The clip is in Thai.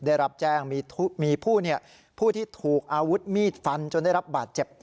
ได้รับแจ้งมีผู้ที่ถูกอาวุธมีดฟันจนได้รับบาดเจ็บ